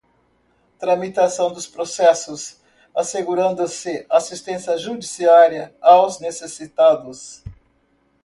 tramitação dos processos, assegurando-se assistência judiciária aos necessitados;